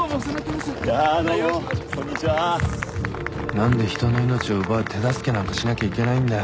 何で人の命を奪う手助けなんかしなきゃいけないんだよ。